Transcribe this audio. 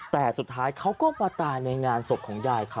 แต่สุดท้ายเขาก็มาตายในงานศพของยายเขา